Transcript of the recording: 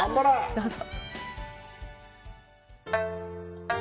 どうぞ！